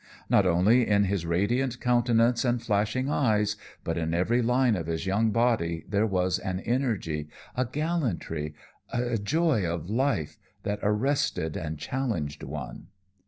Not only in his radiant countenance and flashing eyes, but in every line of his young body there was an energy, a gallantry, a joy of life, that arrested and challenged one.